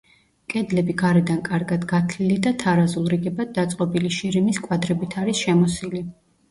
კედლები გარედან კარგად გათლილი და თარაზულ რიგებად დაწყობილი შირიმის კვადრებით არის შემოსილი.